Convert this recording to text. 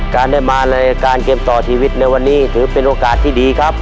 การได้มารายการเกมต่อชีวิตในวันนี้ถือเป็นโอกาสที่ดีครับ